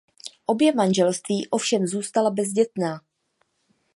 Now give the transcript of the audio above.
Obě manželství ovšem zůstala bezdětná.